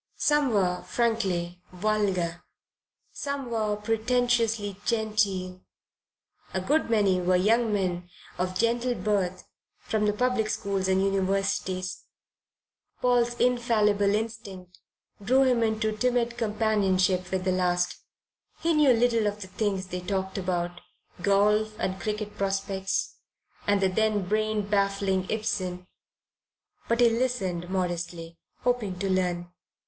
Some were frankly vulgar, some were pretentiously genteel, a good many were young men of gentle birth from the public schools and universities. Paul's infallible instinct drew him into timid companionship with the last. He knew little of the things they talked about, golf and cricket prospects, and the then brain baffling Ibsen, but he listened modestly, hoping to learn.